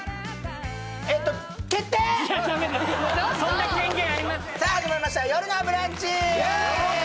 えーとさあ始まりました「よるのブランチ」